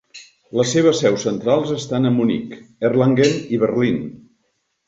Les seves seus centrals estan a Munic, Erlangen i Berlín.